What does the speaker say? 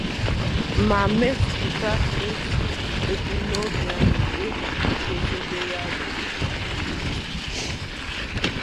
ma mezùpụta ezi ebumnobi ahụ e jiri guzobe ya bụ atụmatụ